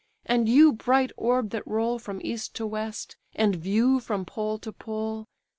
and you bright orb that roll From east to west, and view from pole to pole!